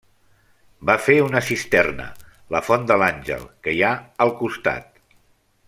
Va fer una cisterna, la font de l'Àngel que hi ha al costat.